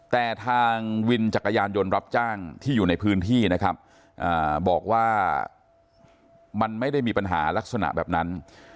แต่ทางวินจักรยานยนต์รับจ้างที่อยู่ในพื้นที่นะครับบอกว่ามันไม่ได้มีปัญหาลักษณะแบบนั้น